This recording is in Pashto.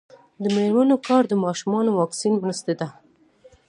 د میرمنو کار د ماشومانو واکسین مرسته ده.